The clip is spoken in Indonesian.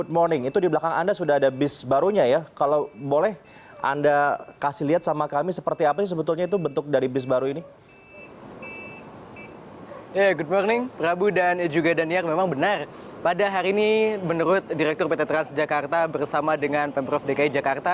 pada hari ini menurut direktur pt transjakarta bersama dengan pemprov dki jakarta